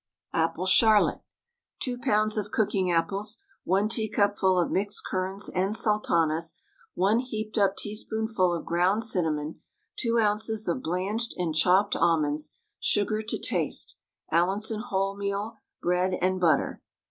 APPLE CHARLOTTE. 2 lbs. of cooking apples, 1 teacupful of mixed currants and sultanas, 1 heaped up teaspoonful of ground cinnamon, 2 oz. of blanched and chopped almonds, sugar to taste, Allinson wholemeal bread, and butter.